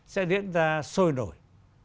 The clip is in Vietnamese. sẽ diễn ra sôi nổi